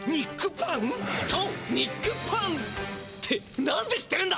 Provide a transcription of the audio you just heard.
そうニックパン！ってなんで知ってるんだ！？